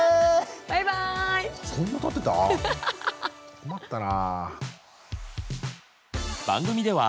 困ったな。